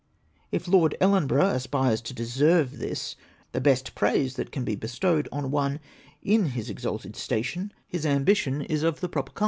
If Lord Ellen borough aspires to deserve this, the best praise that can be bestowed on one in his exalted station, his ambition is of the proper OPIXIONS OF TJIE PRESS. 47.